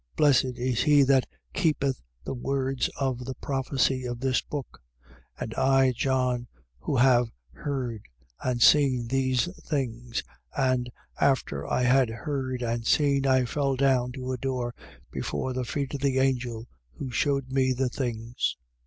Blessed is he that keepeth the words of the prophecy of this book. 22:8. And I, John, who have heard and seen these things. And, after I had heard and seen, I fell down to adore before the feet of the angel who shewed me the things.